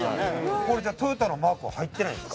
これじゃあトヨタのマークは入ってないんですか？